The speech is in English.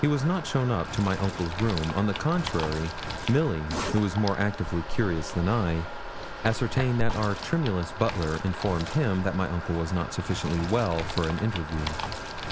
He was not shown up to my uncle's room; on the contrary, Milly, who was more actively curious than I, ascertained that our tremulous butler informed him that my uncle was not sufficiently well for an interview.